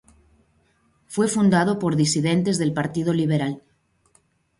Fue fundado por disidentes del Partido Liberal.